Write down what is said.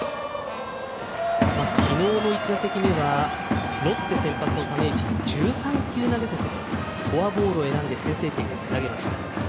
昨日の１打席目はロッテ先発が１３球投げてフォアボールを選んで先制点につなげました。